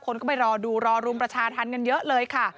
คนก็ไปรอดูรอรุมประชาธิ์ทันเงินเยอะเลย